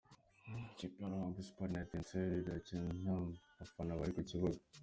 ikipe ya ruhago Esipuwari na Etesele barakina nta bafana bari ku kibuga